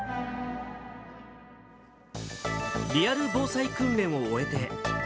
リアル防災訓練を終えて。